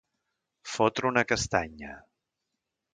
Fotre una castanya.